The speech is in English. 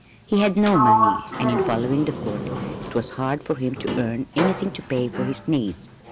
He had no money, and in following the Court it was hard for him to earn anything to pay for his needs.